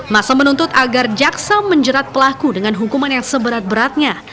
masa menuntut agar jaksa menjerat pelaku dengan hukuman yang seberat beratnya